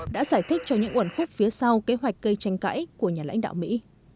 đã giải thích cho những uẩn khúc phía sau kế hoạch cây tranh cãi của nhà lãnh đạo mỹ